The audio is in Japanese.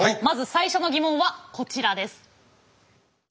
まず最初のギモンはこちらです。